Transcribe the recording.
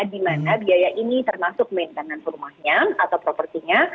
dimana biaya ini termasuk maintenance rumahnya atau propertinya